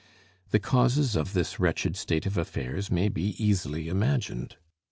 The causes of this wretched state of affairs may be easily imagined.